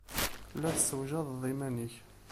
La tessewjadeḍ iman-nnek.